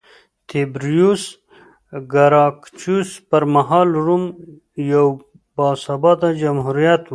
تیبریوس ګراکچوس پرمهال روم یو باثباته جمهوریت و